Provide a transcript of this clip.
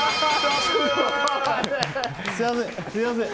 すみません。